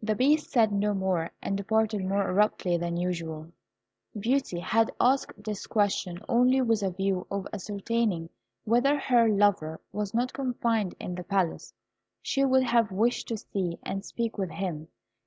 The Beast said no more, and departed more abruptly than usual. Beauty had asked this question only with a view of ascertaining whether her lover was not confined in the palace. She would have wished to see and speak with him.